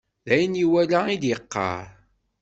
D ayen iwala i d-yeqqaṛ.